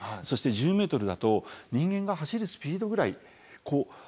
そして１０ｍだと人間が走るスピードぐらい。